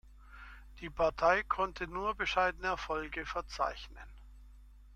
Die Partei konnte nur bescheidene Erfolge verzeichnen.